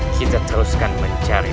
kita teruskan mencari